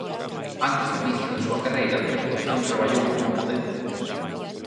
Antes do inicio da súa carreira de actuación traballou como modelo.